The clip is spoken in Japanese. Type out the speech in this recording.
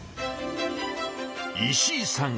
石井さん